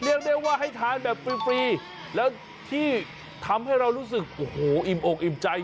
เรียกได้ว่าให้ทานแบบฟรีแล้วที่ทำให้เรารู้สึกโอ้โหอิ่มอกอิ่มใจ